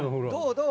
どう？